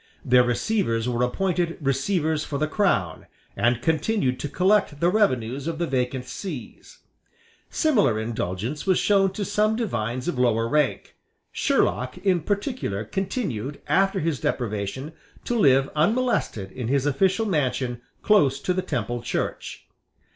Their receivers were appointed receivers for the Crown, and continued to collect the revenues of the vacant sees, Similar indulgence was shown to some divines of lower rank. Sherlock, in particular, continued, after his deprivation, to live unmolested in his official mansion close to the Temple Church.